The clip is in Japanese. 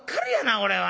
これは。